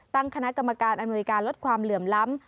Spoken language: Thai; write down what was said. ตั้งคณะกรรมการอำนวยการลดความเหลื่อมล้ำ